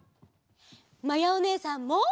まやおねえさんも！